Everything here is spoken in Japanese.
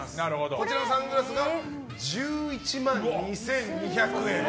こちらのサングラスが１１万２２００円。